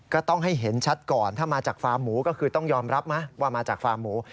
ก็ต้องให้เห็นชัดก่อนถ้ามาจากฟาร์มหมูก็คือต้องยอมรับนะว่ามาจากฟาร์มหมู